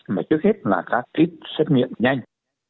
mà trước hết là các ít xét nghiệm nhanh